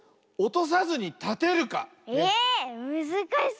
えっむずかしそう。